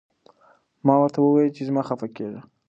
ما ورته وویل چې مه خفه کېږه.